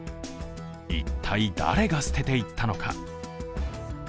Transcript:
一体誰が捨てていったのか。